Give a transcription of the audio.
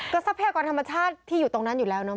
ทรัพยากรธรรมชาติที่อยู่ตรงนั้นอยู่แล้วเนอ